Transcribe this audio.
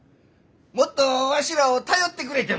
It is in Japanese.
もっとわしらを頼ってくれても。